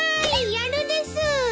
やるですー！